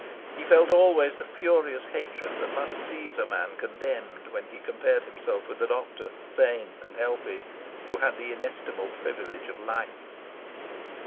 He felt always the furious hatred that must seize a man condemned when he compared himself with the doctor, sane and healthy, who had the inestimable privilege of life.